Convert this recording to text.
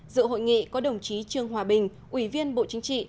dự hội nghị có đồng chí trương hòa bình ủy viên bộ chính trị